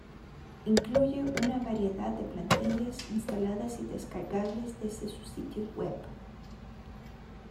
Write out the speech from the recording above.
Incluye una variedad de plantillas, instaladas y descargables desde su sitio web.